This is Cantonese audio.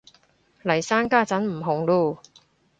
嚟生家陣唔紅嚕